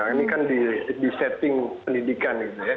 ini kan di setting pendidikan